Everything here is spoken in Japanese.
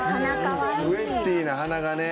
ウェッティーな鼻がね。